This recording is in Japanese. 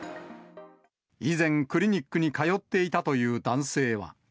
以前、クリニックに通っていたという男性は。